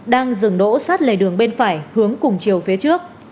đang dừng đỗ sát lề đường bên phải hướng cùng chiều phía trước